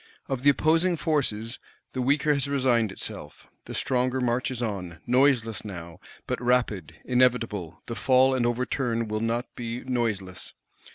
Of the opposing forces the weaker has resigned itself; the stronger marches on, noiseless now, but rapid, inevitable: the fall and overturn will not be noiseless.